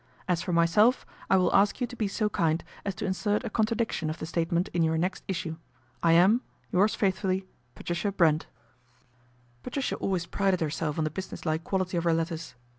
As for myself, I will ask you to be so kind as to insert a contradiction of the statement in your next issue. " I am, " Yours faithfully, "PATRICIA BRENT." 170 PATRICIA BRENT, SPINSTER Patricia always prided herself on the business like quality of her letters.